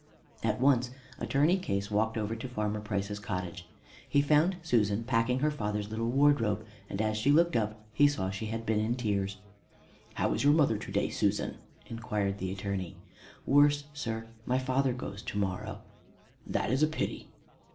At once Attorney Case walked over to Farmer Price's cottage. He found Susan packing her father's little wardrobe, and as she looked up, he saw she had been in tears. "How is your mother to day, Susan?" inquired the Attorney. "Worse, sir. My father goes to morrow." "That's a pity."